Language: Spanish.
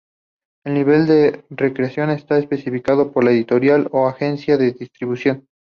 El nivel de restricción está especificado por la editorial o agencia de distribución.